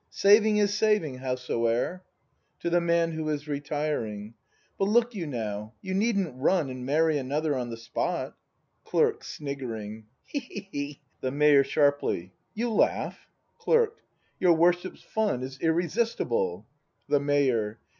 Saving is saving, howsoe'er. [To the Man, who is retiring.] But look you, now, you needn't run And marry another on the spot! Hee, hee! Clerk. [Sniggering.] The Mayor. [Sharply.] You lauffh ? *J3' Clerk. Your Worship's fun Is irresistible. The Mayor.